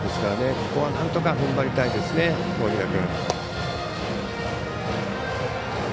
ここはなんとか踏ん張りたいですね、大平君。